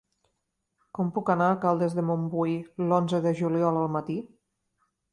Com puc anar a Caldes de Montbui l'onze de juliol al matí?